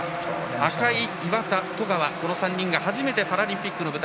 赤井、岩田、十川の３人が初めてのパラリンピックの舞台。